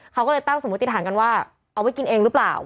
เขาก็เลยตั้งสมมติฐานกันว่าเอาไว้กินเองหรือเปล่า